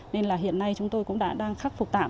nên hiện nay chúng tôi cũng đang khắc phục tạm